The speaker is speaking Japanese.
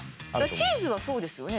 チーズはそうですよね？